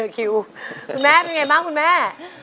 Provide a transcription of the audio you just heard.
คิวคุณแม่เป็นไงบ้างคุณแม่